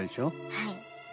はい。